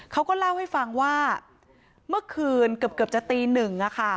เขาก็เล่าให้ฟังว่าเมื่อคืนเกือบจะตีหนึ่ง